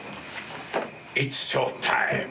イッツショータイム。